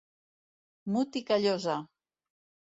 Mut i Callosa!